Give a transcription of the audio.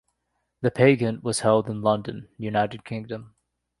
The pageant was held in London, United Kingdom.